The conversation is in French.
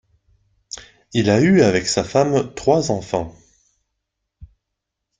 Il a eu avec sa femme trois enfants.